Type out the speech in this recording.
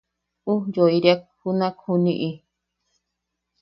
Ujyoiriak junak juniʼi.